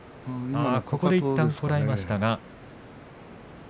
ここでいったん、こらえましたが。